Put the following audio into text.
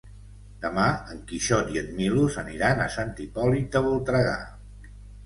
Demà en Quixot i en Milos aniran a Sant Hipòlit de Voltregà.